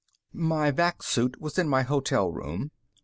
My vac suit was in my hotel room.